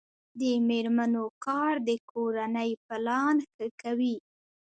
د میرمنو کار د کورنۍ پلان ښه کوي.